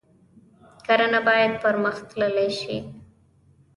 کرنه باید پرمختللې شي